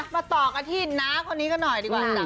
มาต่อกันที่น้าคนนี้กันหน่อยดีกว่าจ้ะ